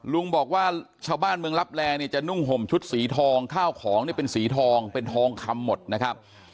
ลุงบอกว่าชาวบ้านเมืองลับแลเนี่ยจะนุ่งห่มชุดสีทองข้าวของเนี่ยเป็นสีทองเป็นทองคำหมดนะครับ